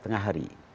lebih lama lima hari